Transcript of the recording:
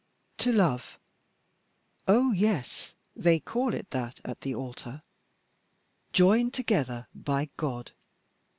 To love! Oh! yes, they call it that at the altar 'joined together by God!'